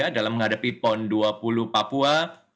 dalam menghadapi pon dua puluh papua